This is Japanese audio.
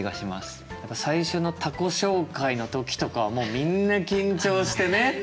最初の他己紹介の時とかはもうみんな緊張してね